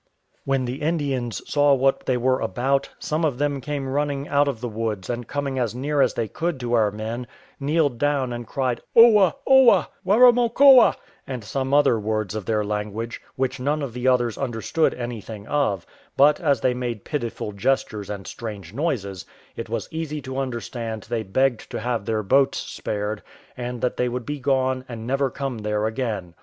When the Indians saw what they were about, some of them came running out of the woods, and coming as near as they could to our men, kneeled down and cried, "Oa, Oa, Waramokoa," and some other words of their language, which none of the others understood anything of; but as they made pitiful gestures and strange noises, it was easy to understand they begged to have their boats spared, and that they would be gone, and never come there again.